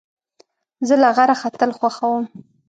زه له غره ختل خوښوم.